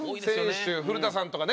古田さんとかね。